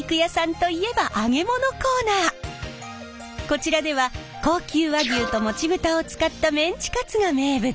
こちらでは高級和牛ともち豚を使ったメンチカツが名物！